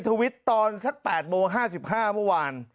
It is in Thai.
ทวิตตอนสัก๘โมง๕๕เมื่อวาน